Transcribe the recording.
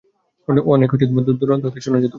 অনেক দূর-দূরান্ত হতে শোনা যেত।